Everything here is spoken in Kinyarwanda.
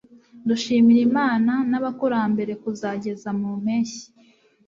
dushimira imana n'abakurambere kuzageza mu mpeshyi